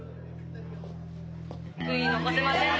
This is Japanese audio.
悔い残せませんな！